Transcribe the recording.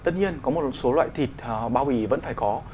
những loại thịt bao bì vẫn phải có